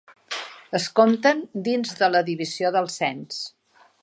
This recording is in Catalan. Es compten dins de la divisió del cens.